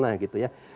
nah gitu ya